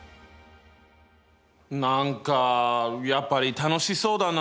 何かやっぱり楽しそうだな。